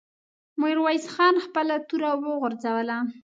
ميرويس خان خپله توره وغورځوله.